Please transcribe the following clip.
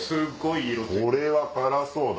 これは辛そうだ！